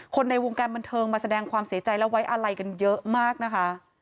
ในวงการบันเทิงมาแสดงความเสียใจและไว้อาลัยกันเยอะมากนะคะ